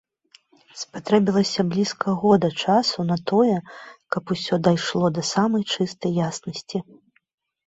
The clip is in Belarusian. Спатрэбілася блізка года часу на тое, каб усё дайшло да самай чыстай яснасці.